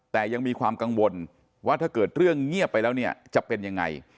แต่ยังมีความกังวลว่าถ้าเกิดเรื่องเงียบไปแล้วเนี่ยจะเป็นยังไง